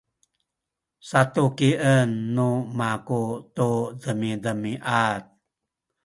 satukien nu maku tu demidemiad